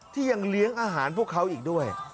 ยังเลี้ยงอาหารพวกเขาอีกด้วย